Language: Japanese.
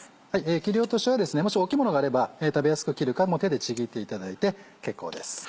切り落としはもし大きいものがあれば食べやすく切るか手でちぎっていただいて結構です。